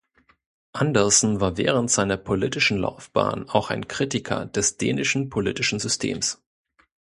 Andersen war während seiner politischen Laufbahn auch ein Kritiker des dänischen politischen Systems.